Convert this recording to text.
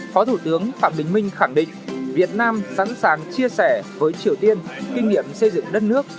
phó thủ tướng phạm bình minh khẳng định việt nam sẵn sàng chia sẻ với triều tiên kinh nghiệm xây dựng đất nước